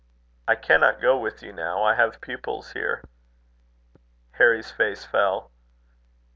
"I cannot go with you now. I have pupils here." Harry's face fell.